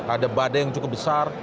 ada badai yang cukup besar